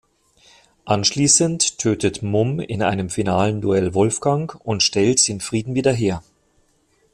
Anschließend tötet Mumm in einem finalen Duell Wolfgang und stellt den Frieden wieder her.